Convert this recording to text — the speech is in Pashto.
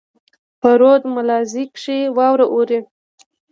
په رود ملازۍ کښي واوره اوري.